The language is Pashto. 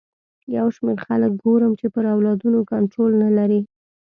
یو شمېر خلک ګورم چې پر اولادونو کنټرول نه لري.